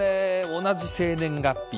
同じ生年月日。